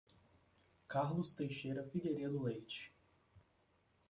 Carlos Teixeira Figueiredo Leite